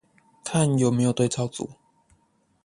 看有沒有對照組